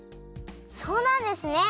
そうなんですね！